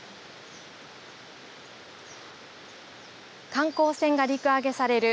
観光船が陸揚げされる